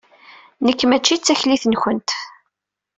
Nekk mačči d taklit-nkent.